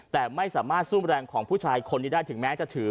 แต่ไม่สามารถซุ่มแรงของผู้ชายคนนี้ได้ถึงแม้จะถือ